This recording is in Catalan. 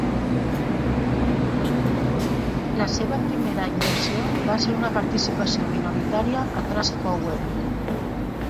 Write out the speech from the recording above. La seva primera inversió va ser una participació minoritària a Trustpower.